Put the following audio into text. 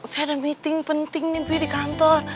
saya ada meeting penting nih di kantor